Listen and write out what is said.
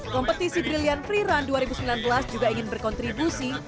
kompetisi brilliant free run dua ribu sembilan belas juga ingin berkontribusi